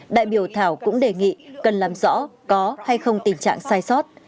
đại biểu thảo cũng đề nghị cần làm rõ có hay không tình trạng sai sót